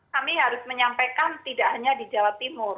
kami harus menyampaikan tidak hanya di jawa timur